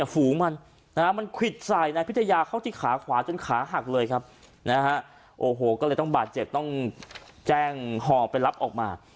ฝูงมันมันควิดใส่นายพิทยาเข้าที่ขาขวาจนขาหักเลยครับนะฮะโอ้โหก็เลยต้องบาดเจ็บต้องแจ้งห่อไปรับออกมา